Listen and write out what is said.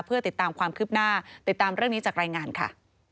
เพื่อติดตามความคืบหน้าติดตามเรื่องนี้จากรายงานค่ะ